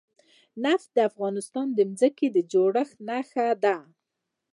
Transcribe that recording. نفت د افغانستان د ځمکې د جوړښت نښه ده.